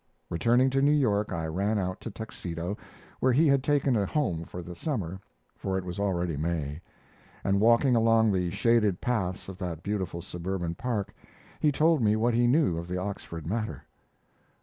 Returning to New York, I ran out to Tuxedo, where he had taken a home for the summer (for it was already May), and walking along the shaded paths of that beautiful suburban park, he told me what he knew of the Oxford matter.